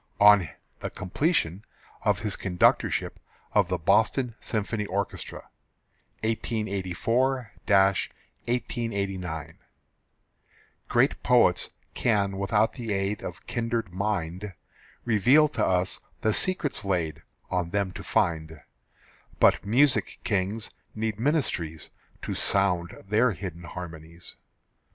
(On the completion of his conductorship of the Boston Symphony Orchestra.) 1884 1889. Great poets can without the aid Of kindred mind Reveal to us the secrets laid On them to find; But music kings need ministries To sound their hidden harmonies.